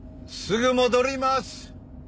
すぐ戻ります。